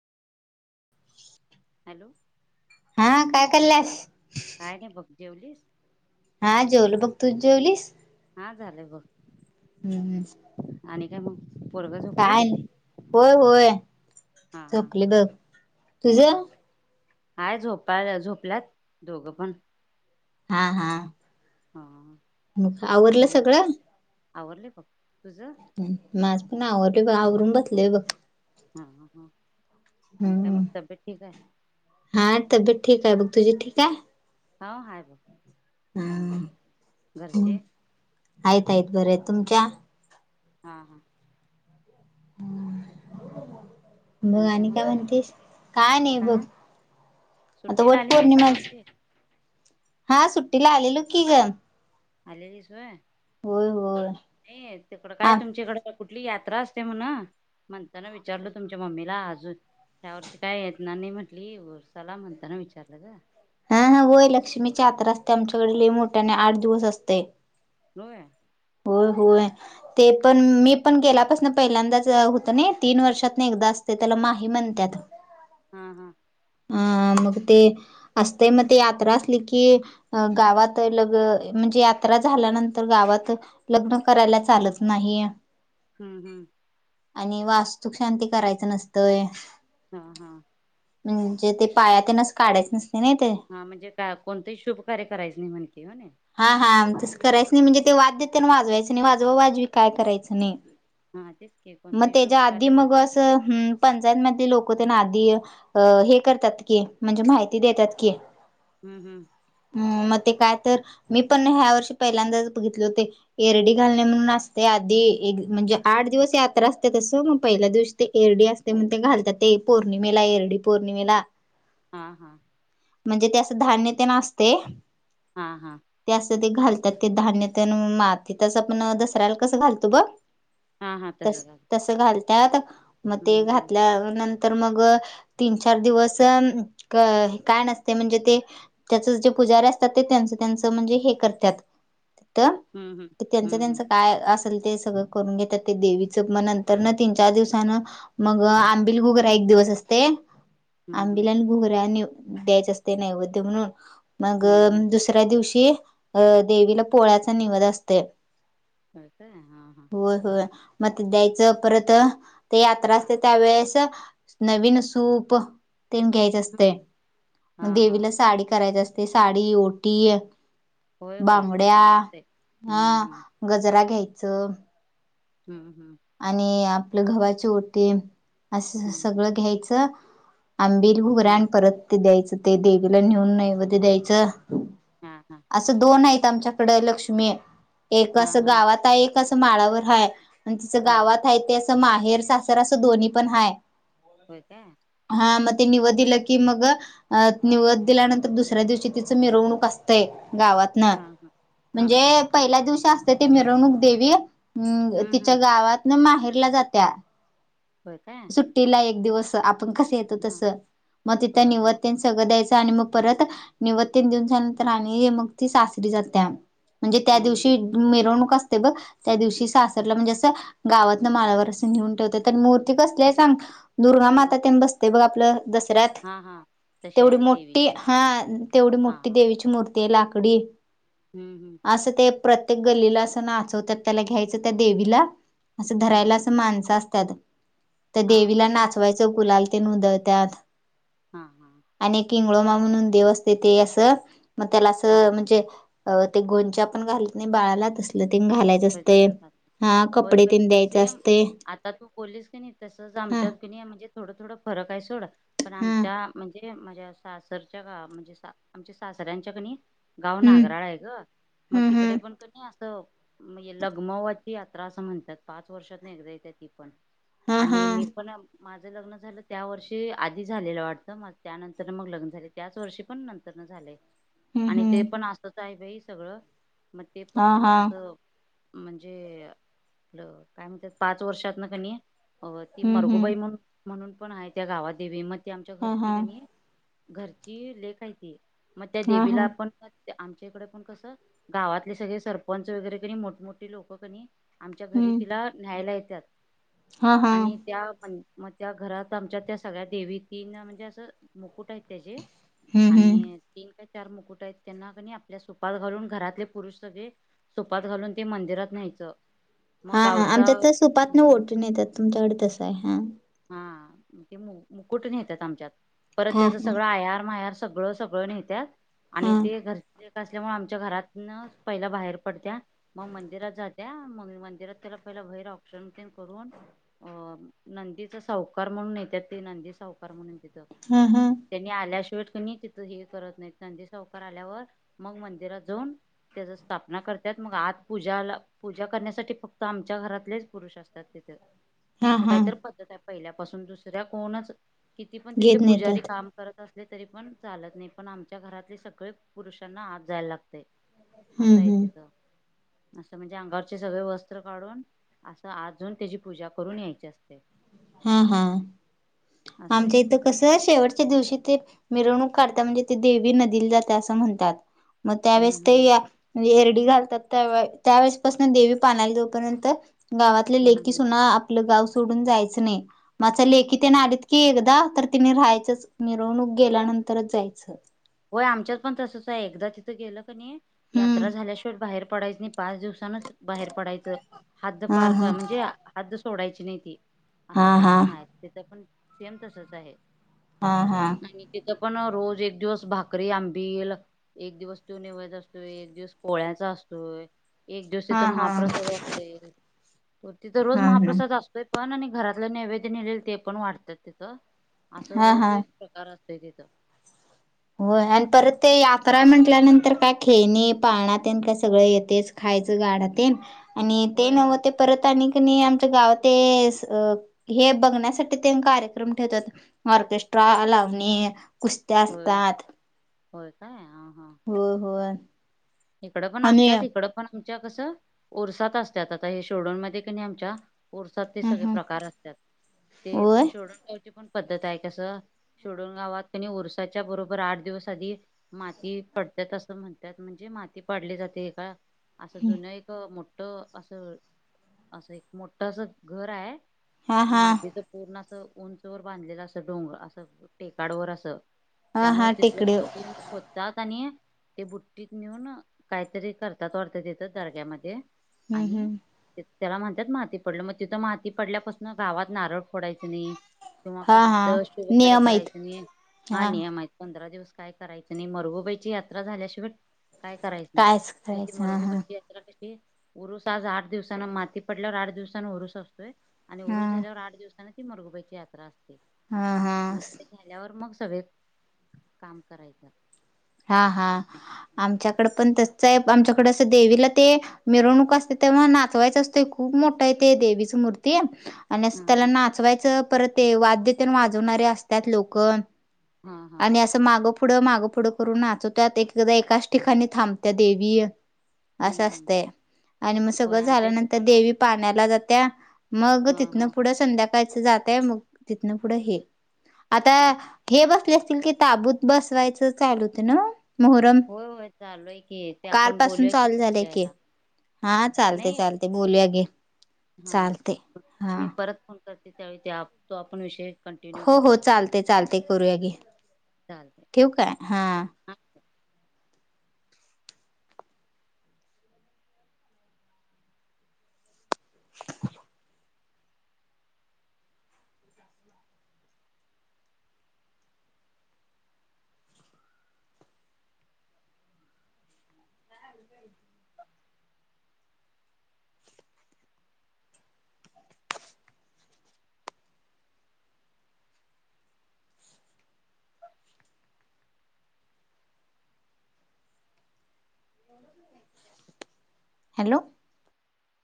[inaudible] Hello? कल्याश [unintelligible] काय नाही बघ जेवलीस? हा जेवलो बघ तू, जेवलीस? का झालंय ब [unintelligible] हम्म. हम्. आणि काय मग? पोरग झोपलं काय? होय, होय, हा हा झोपल बघ, तुझ? हम्म हाय, झोपा- झोपल्यात दोघं पण. हा, हा, हा. म आवरलं सगळं? आवरल बघ. तुझं माझ पण आवरल. आवरून बसलेय बघ. हा, ह, आणि काय हम्म मग तब्येत ठीक आहे? हा तब्येत ठीक आहे बघ तुझी ठीक हाय? हा, हाय बघ. चांगलं, घरचे? आयतयत बरं तुमच्या [unintelligible] हा, हा, हम्म. आणि काय म्हणतेस का नाही बघ, काय आता सुट्टीला आली नाहीस वटपौर्णिमाच- यावर्षी हा सुट्टीला आलेलो की ग. आलेलीस व्हय. होय होय नाइ तिकडं आ काय तुमच्याकडे कुठली यात्रा असत्या म्हण म्हणताना विचारल तुमच्या मम्मीला अजून ह्या वर्षी काय येणार नाय म्हटली उरसाला म्हणताना विचारलं ग. हा, हा होय लक्ष्मीची आत्रा असत्या, आमच्याकड लई मोठ्यान आठ दिवस असतय. होय! होय, होय ते पण मी पण गेल्यापासन पहिल्यांदाच होतं नाइ तीन वर्षात न एकदा असतय त्याला माही म्हणत्यात. हा, हा. अं मग ते असतय मग ते यात्रा असली की गावात लग म्हणजे यात्रा झाल्यानंतर गावात लग्न करायला चालत नाही. हम्म, हम्म. आणि वास्तूक शांती करायचं नसतंय. हा, हा. म्हणजे ते पाया ते नच काढायच नस हा म्हणजे का कोणतंही शुभ कार्य करायचं नाही म्हणते हो ना. हा हा तसं करायचं नाही म्हणजे ते वाद्यतेन वाजवायचं नाही वाजवा वाजवी काय करायचं नाइ. हा तेच की म कोणतेही शुभ त्याच्या आधी कार्य म झालं अस पंचायत मध लोक ना आधी हे करतात की म्हणजे माहिती देतात की. हम्म, हम्म. मग ते काय तर मी पण ह्या वर्षी पहिल्यांदाच बघितले होते एरडी घालणे म्हणून असतय आधी ए म्हणजे आठ दिवस यात्रा असत्या तसं मग पहिल्या दिवशी ते एरडी असते म्हण ते घालतात ते पौर्णिमेला एरडी पौर्णिमेला हा, हा. म्हणजे ते असं धान्य तेन असतय. हा, हा. ते घालतात ते धान्य तेन मातीतच आपण दसऱ्याला कसं घालतो बघ. हा हा त तसं करतात तस घालत्यात. म ते हम्म घातल्यानंत तर मग तीन चार दिवस क काय नसतय म्हणजे ते त्याचच जे पुजारी असतात ते त्यांच, त्यांचं म्हणजे हे करत्यात. हम्म हम्म त्यांचं हम्म हम्म त्यांचं काय अस ते सगळं करून घेतात. ते देवीचं म नंतर तीन चार दिवसान मग आंबिल घुगरा एक दिवस असतंय. हम्म हम्म आंबिल आणि घुघर्यानी द्यायचं असतंय नैवेद्य म्हणून. मग हम्म हम्म दुसऱ्या दिवशी अ देवीला पोळ्याचा निवद असतय. काय, काय, हा, हा. मत द्यायचं परत ते यात्रा असते त्यावेेळेस नवीन सूप तेन घ्यायच असतय हम्म हा म हा देवीला साडी नाही जस ती साडी ओटी होय होय बांगड्या तसच असते हम्म हं हम्म गजरा घ्याय [inaudible] हम्म हम्म आणि आप आपलं घव्हाचे ओते असं हम्म हम्म सगळं घ्यायचं आंबिल हुगराण हम्म. परत ते द्यायचं. ते देवीला नेऊन नैवेद्य द्यायचं हा हा असं दोन आहेत. आमच्याकडे लक्ष्मी आहे. एक हा असं हा गावात आहे एक. तस माळावर हाय आणि तिचं हा हा गावात आहे ते असं मा हेर सासर असं दोन्ही पण हाय. होय काय हा मग ते निवद दिलं की मग निवद दिल्यानंतर दुसऱ्या दिवशी तिच मिरवणूक असतंय ते गावात ना हा हा हा म्हणजे हा पहिल्या दिवशी असते ते मिरवणूक देवी [unintelligible] हम्म तिच्या हम्म गावातन माहेर ला जात्या होय काय सुट्टीला एक दिवस आप मग कसं येतो हा तसं मग तिथं होय निवत हा तेन सगळं द्यायचं आणि मग परत निवत्तेन देऊन झाल्यानंतर आणि मग ती सासरी जात्या म्हणजे त्या हम्म दिवशी हम्म मिरवणूक अस ते ब त्या दिवशी हा सासरला म्हणजे असं गावात न मालावर असं नेऊन ठेवते मूर ते कसलेय सांग दुर्गा हा माता ते बसते बघ आप ल. दसऱ्यात हा हा तशी तेवढी आहे मोठी देवीची हा तेवढी हा मोठी हा देवीची मूर्ती ते लाकडी हम्म हम्म असं ते प्रत्ये ते गल्लीला असं नाचवतात त्याला घ्यायचं त्या देवीला असं हा धरायला हा असं माणसं असत तत तर हा देवीला हा नाचवायचं कुलाल ते नद त्यात हम् हम् मुळमा म्हणून देवस्ते ते असं मग त्याला हा असं म्हणजे अ ते गोंच्या पण घालत नाही बाळालाचसल तन घालायच होय असते तसं खातात हा होय कपडे तीन द्यायचे असते तसच आमच्या म्हण ोड थोड फरक आहे सोा पण हा आमच्या म्हणजे माझ्या सासरच्या का म्हणजे आमच्या सासऱ्यांच्या कणी गाव हम्म नागराळ आहे ग मग हम्म तिकडे हम्म पण कमी असत हो म्हणजे लगमवाची यात्रा असं म्हणतात पाच वर्षात नाही एकदा त्या ति हा हा आणि मी पण माझं लग्न झालं त्या वर्षी आधी झालेलं वाटतं त्यानंतर मग लग्न झाले त्याच वर्षी पण नंतर झालेय हम्म आणि ते हम्म पण असतच आहे बाई सगळं मग ते हा पण क हा असं म्हणजे काय म्हणतात पाच वर्षात ना कणी अ ती हम्म हम्म मरगोबाई म्हणून म्हणून पण आहे त्या गावात देवी मत आमच्या हा घरची हा कणी आहे घरची लेख आहे त मग त्या हा हा देवीला आपण ते आमच्या इकडे पण कसं गावातले सगळे सरपंच वगैरे कणी मोठमोठी लोकं कणी आमच्या घरी हम्म तिला न्यायला येत त्याात हा हा आणि त्या पण मग त्या घरात आमच्या त्या सगळ्या देवी तेना म्हणजे असं मुकुट आहेत त्याचे. हम्म हम्म आणि ती चार मुकुट आहेत त्यांना क आपल्या सुपात घालून घरातले पुरुष सगळे. सुपात घालून ते मंदिरात न्यायचं. मग हा हा गावचा आमच्यात तर सुपात न हम्म ओटीन नेतात तुमच्याकडे तस आहे हा हा ते मुकुट येतात आमच्यात. परत हा त्याच सगळं आयार माहेर.. सगळं सगळं नेत्यात आणि हा ते घरचे असल्यामुळे आमच्या घरातन पहिला बाहेर पडत्या मग मंदिरात जात्या मंदिरात त्याला पहिैर औक्षण तेन करून नंदी सावकार म्हणून येत्यात ते नंदी सावकार म्हणून तिथं हा हा हा त्यांनी आल्याशिवाय [unintelligible] तिथं हे करत नाही नंदी सावकार आल्यावर मग मंदिरात जाऊन त्याच्या स्थापना करतात मग आत पूजाला पूजा करण्यासाठी फक्त आमच्या घरातलेच पुरुष असतात तिथे. हा असं हा काहीत पद्धत आहे. पहिल्यापासून दुसऱ्या कोणाच? किती? पण तिथले घेत पुजारी नेतात काम करत असत तरी पण चालत नाही पण, आमच्या घरातले सगळे पुरुषांना आत जायला लागतय. हम्म अस आहे हम्म तिथं. असं म्हणजे अंगारचे सगळे वस्त्र काढून असं आत त्याची पूजा करून यायची असते. हा हा असं आमच्या आहे इथं तिथं कसं शेवटच्या दिवशी ते मिरवणूक. काढत्या म्हणजे ते देवी नदीला जाते असं म्हणतात. मग त्यावेळेस हम्म ते हम्म एर [unintelligible] घालतात त्या त्या ववेळेसपासून देवी पाण्याला जोपर्यंत. गावातले हम्म लेकी, सुना आपलं गाव सोडून जायच नाही [inaudible] ते ना हम्म आलेत की एकदा, तर तिने राहायचंच मिरवणूक गेल्यानंतरच जायचं. होय आमच्यात पण तसच आहे एकदा तिथं गेलं क नाही. हम्म यात्रा झाल्याशिवाय बाहेर पडाच नाही. पाच दिवसानच बाहेर पडायच हद्द हा पार हा करायच म्हणजे हद्दच. सोडायची नाही ती असं हा काही हा पण आहेत तिथं पण सेम तसच आहे हा-हा आणि तिथं पण रोज एक दिवस. भाकरी, आंबिल एक दिवस त्यो निवद असतोय. एक दिवस पोळ्याचा असतोय एक दिवशी हा तर हा हा महाप्रसाद असतोय तिथ रोज हा हा महाप्रसाद असतोय पण आणि घरातलं नैवेद्य निलेल ते पण वाटतात तिथं असं हा रोज हा एक प्रकार असत [unintelligible] होय आणि परत ते यात्रा हाय म्हटल्यानंतर काय खेळनि पाळना तेन काय सगळं येतेच खायचं गाडा तेन आणि ते होय होय नव्ह ते परत आनीकनी आमचं गाव ते हे बघण्यासाठी तेने कार्यक्रम ठेवतात ऑर्केस्ट्रा लावणे कुस्त्या होय [inaudible] होय काय अ होय-होय इकडं पण असत्या इकड पण [inaudible] कस ऊरसात असतात आता हे शिर्डोण मध्ये कनी आमच्या ऊर्सात ते सगळे हा प्रकार असतात ते होय पण शिर्डोण गावचे पण पद्धत आहे कसं शिर्डोण गावात कनि उरसाच्या बरोबर आठ दिवस आधी माती पडतात असं म्हणतात. म्हणजे माती, ते पाडली जाते का? असं जुन एक मोठ असं-असं एक मोठं असं घर आहे. हा हा मातीच पूर्ण अस उंच ववर बांधलेलं असं डोंगर अस टेकाडवर असं हा त्यामुळे हा तिथलं टेकडे माती येऊन खोतात. नी ते बुट्टीत नेऊन काहीतरी करतात वाटत तिथ दर्ग्यामध्ये. हम्म आणि, हम्म त्याला म्हणतात माती पडलं मग तिथं माती पडल्यापासून गावात नारळ फोडायच नाही किंवा हा हा कोणतं शुभ कार्य नियम आहेत करायचं नाही. हा नियम आहे पंधरा दिवस काय करायचं नाही मरगुबाईची यात्रा झाल्याशिवाय काय टास्क खेलाच हा-हा. उरुस आज आठ दिवसाांना माती पडल्यावर आठ दिवसान उरुस असतोय. आणि उरच झाल्यावर हा आठ दिवसांनी. मरगुबाईची याता अस. हा मग हा ते झाल्यावर मग सव काम करायचं. हा हा आमच्याकडे पण त आमच्याकडे असं देवीला ते मिरवणूक असते तेव्हा नाचवायच असत खूप मोठा आहे ते देवीची मूर्ती आणि हा त्याला हा नाचवायचं परत. ते वाद्यते वाजवणारे असतात लोक हा हा पुढं मागं पुुढं करून नाचवतत एकदा एकाच ठिकाणी थांबत्या देवीय. हम्म असं हम्म असत आणि मग होय सगळं आमच्या इथं झाल्यानंतर पण हा देवी पाण्याला जात त्या मग तिथनं हा पुढं संध्याका जातय मग तिथन पुढं हे आता हा हे बस. ताबूत बसवायचं चालूत ना. मोहरम होय होय चालूय की ते आपण कालपासून बोलूयाय की चालू झालंय पुढच्या की वला हा चालते नाही चालते बोलूया घे हा चालते हा मी परत फोन करत. त्यावेळी ते तो आपण विषय कंटिन्यू हो हो करूया चालते चालते. करूया की चालते ठेव का आहेय हा. [inaudible] हॅलो.